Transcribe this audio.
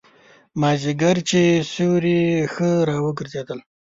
مازیګر چې سیوري ښه را وګرځېدل.